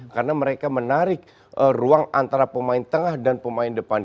karena mereka menarik ruang antara pemain tengah dan pemain depan